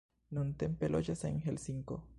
Nuntempe loĝas en Helsinko.